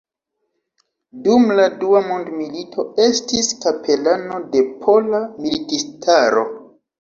Dum la dua mondmilito estis kapelano de Pola Militistaro.